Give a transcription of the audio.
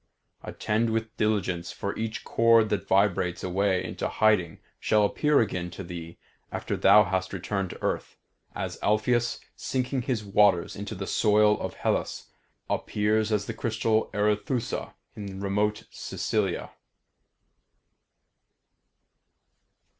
Attend with diligence, for each chord that vibrates away into hiding shall appear again to thee after thou hast returned to earth, as Alpheus, sinking his waters into the soil of Hellas, appears as the crystal Arethusa in remote Sicilia."